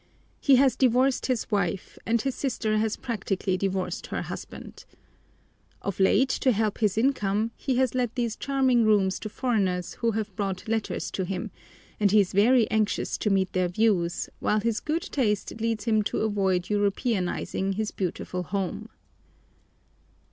He has divorced his wife, and his sister has practically divorced her husband. Of late, to help his income, he has let these charming rooms to foreigners who have brought letters to him, and he is very anxious to meet their views, while his good taste leads him to avoid Europeanising his beautiful home.